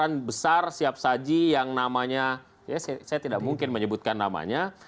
ada cincang ada tunjang